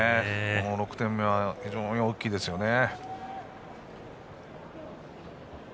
この６点目は非常に大きいですよね。